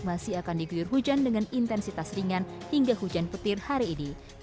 masih akan diguyur hujan dengan intensitas ringan hingga hujan petir hari ini